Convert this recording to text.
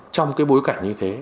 trong bối cảnh như thế